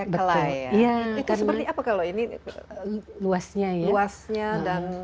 itu seperti apa kalau ini luasnya dan itu seperti apa kalau ini luasnya dan